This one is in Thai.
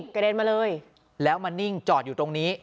กระเด็นมาเลยแล้วมานิ่งจอดอยู่ตรงนี้